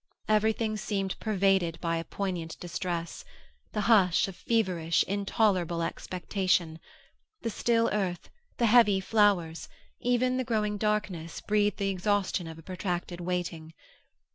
Everything seemed pervaded by a poignant distress; the hush of feverish, intolerable expectation. The still earth, the heavy flowers, even the growing darkness, breathed the exhaustion of protracted waiting.